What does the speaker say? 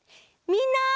みんな！